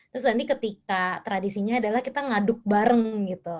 terus nanti ketika tradisinya adalah kita ngaduk bareng gitu